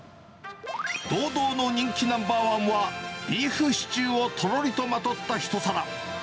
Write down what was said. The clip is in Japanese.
堂々の人気ナンバー１は、ビーフシチューをとろりとまとった一皿。